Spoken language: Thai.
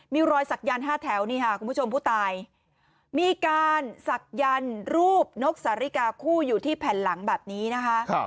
มีรอยสักยันต์๕แถวนี่ค่ะคุณผู้ชมผู้ตายมีการศักยันต์รูปนกสาริกาคู่อยู่ที่แผ่นหลังแบบนี้นะคะ